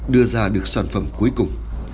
đưa ra được sản phẩm cuối cùng